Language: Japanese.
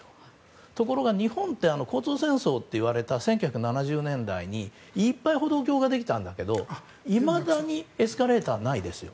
ところが日本って交通戦争といわれた１９７０年代にいっぱい歩道橋ができたけどいまだにエスカレーターはないですよね。